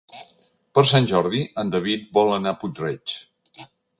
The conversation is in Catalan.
Per Sant Jordi en David vol anar a Puig-reig.